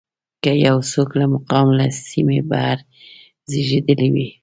که یو څوک له مقام له سیمې بهر زېږېدلی وي.